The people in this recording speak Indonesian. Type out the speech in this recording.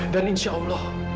dan insya allah